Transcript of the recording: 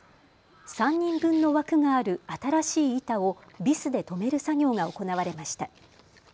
３人分の枠がある新しい板をビスで留める作業が行われました。